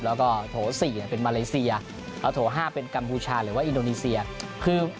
แล้วก็โถ๔เป็นมาเลเซียเอาโถ๕เป็นกัมพูชาหรือว่าอินโดนีเซียคือ